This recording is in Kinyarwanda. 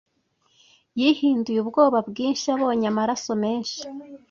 Yahinduye ubwoba bwinshi abonye amaraso menshi.